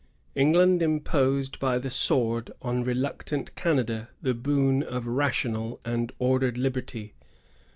England imposed by the sword on reluctant Canada the boon of rational and ordered liberty.